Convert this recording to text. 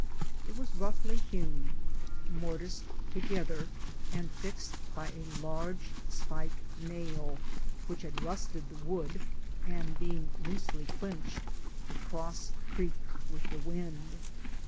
It was roughly hewn, morticed together, and fixed by a large spike nail, which had rusted the wood, and being loosely clinched, the cross creaked with the wind.